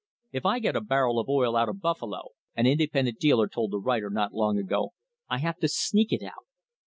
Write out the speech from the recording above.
"If I get a barrel of oil out of Buffalo," an independent dealer told the writer not long ago, "I have to sneak it out.